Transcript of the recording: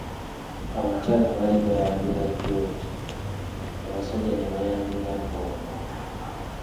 Abakyala baali bayanjula jooje, Abasajja ne bayanjula bbombo.